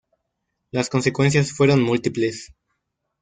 Las consecuencias fueron múltiples.